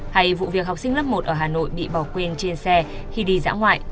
hay vụ việc học sinh lớp một ở hà nội bị bỏ quên trên xe khi đi dã ngoại